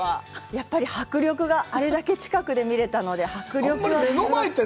やっぱり迫力が、あれだけ近くで見れたので、迫力はすごくて。